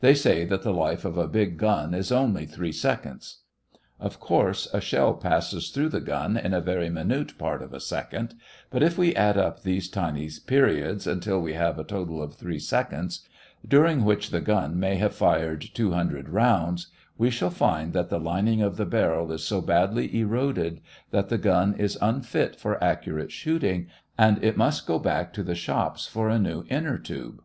They say that the life of a big gun is only three seconds. Of course, a shell passes through the gun in a very minute part of a second, but if we add up these tiny periods until we have a total of three seconds, during which the gun may have fired two hundred rounds, we shall find that the lining of the barrel is so badly eroded that the gun is unfit for accurate shooting, and it must go back to the shops for a new inner tube.